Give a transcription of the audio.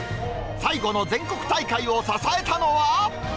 最後の全国大会を支えたのは？